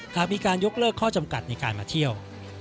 หากมีการยกเลิกข้อจำกัดในการมาเที่ยว